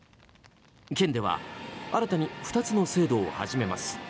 県では、新たに２つの制度を始めます。